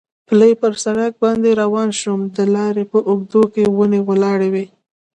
پلی پر سړک باندې روان شوم، د لارې په اوږدو کې ونې ولاړې وې.